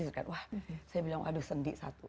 saya bilang aduh sendi satu